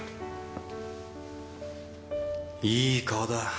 いい顔だ。